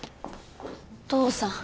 お父さん。